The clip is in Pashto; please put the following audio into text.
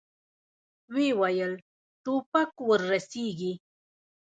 ويې ويل: ټوپک ور رسېږي!